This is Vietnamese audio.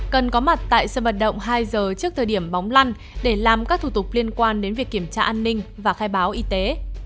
cần có mặt tại sân vận động hai giờ trước thời điểm bóng lăn để làm các thủ tục liên quan đến việc kiểm tra an ninh và khai báo y tế